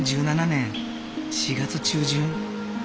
２０１７年４月中旬。